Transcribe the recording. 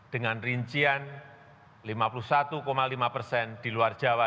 dengan rincian lima puluh satu lima persen di luar jawa